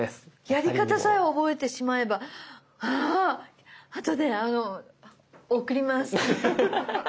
やり方さえ覚えてしまえばああとで送ります！